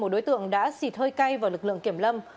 đối tượng đã xịt hơi cay vào lực lượng kiểm lâm